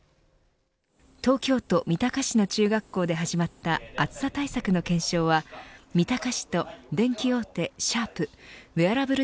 東京都三鷹市の中学校で始まった暑さ対策の検証は三鷹市と電機大手シャープウエアラブル